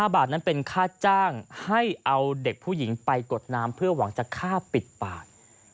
บาทนั้นเป็นค่าจ้างให้เอาเด็กผู้หญิงไปกดน้ำเพื่อหวังจะฆ่าปิดปาก